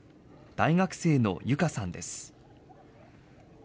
大学生のユカさんです。